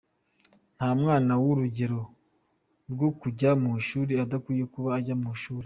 Nta mwana w’urugero rwo kujya mu ishuri udakwiye kuba ajya mu ishuri.